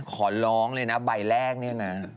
ขอร้องเลยนะใบแรกเนี่ยนะ